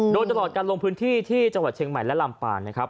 โดยตลอดการลงพื้นที่ที่จังหวัดเชียงใหม่และลำปานนะครับ